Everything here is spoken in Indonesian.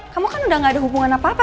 kamu kan udah gak ada hubungan apa apa